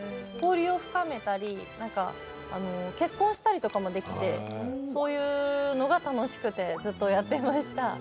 交流を深めたり、結婚したりとかもできて、そういうのが楽しくてずっとやってました。